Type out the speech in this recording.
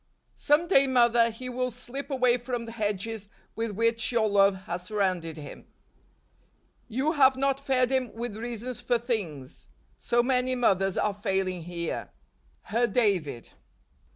Some day, mother, he will slip away from the hedges with which your love has surrounded him. " You have not fed him with reasons for things. So many mothers are failing here." Her David.